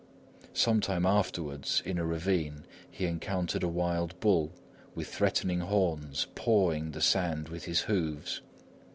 Some time afterwards, in a ravine, he encountered a wild bull, with threatening horns, pawing the sand with his hoofs.